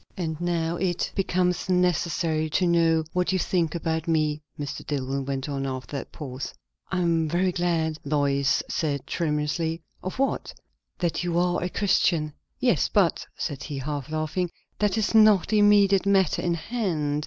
"And now it becomes necessary to know what you think about me," Mr. Dillwyn went on, after that pause. "I am very glad " Lois said tremulously. "Of what?" "That you are a Christian." "Yes, but," said he, half laughing, "that is not the immediate matter in hand.